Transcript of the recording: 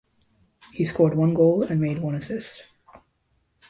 He scored one goal and made one assist.